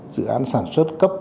dự án sản xuất cấp